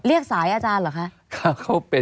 เรียกสายอาจารย์เหรอคะ